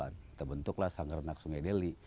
kita bentuklah sanggar enak sungai deli